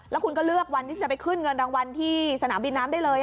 แล้วคุณก็เลือกวันที่จะไปขึ้นเงินรางวัลที่สนามบินน้ำได้เลย